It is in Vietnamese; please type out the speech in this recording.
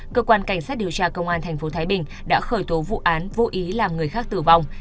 cơ quan cảnh sát điều tra công an tp thái bình đã khởi tố vụ án vô ý làm người khác tử vong